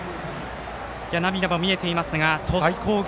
涙も見えていますが鳥栖工業